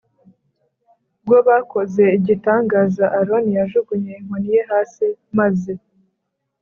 bwo bakoze igitangaza Aroni yajugunye inkoni ye hasi maze